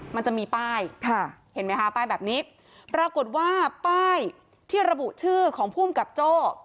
มันจะมีป้ายค่ะเห็นไหมคะป้ายแบบนี้ปรากฏว่าป้ายที่ระบุชื่อของภูมิกับโจ้